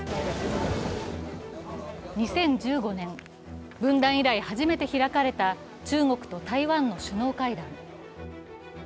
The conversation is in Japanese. ２０１５年、分断以来初めて開かれた中国と台湾の首脳会談。